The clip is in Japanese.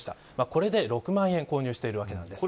これで６万円購入しているわけです。